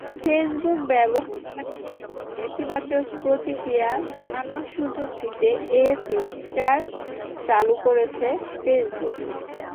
Facebook ব্যবহারকারীদের নেতিবাচক প্রতিক্রিয়া জানানোর সুযোগ দিতে এ ফিচার চালু করছে ফেসবুক।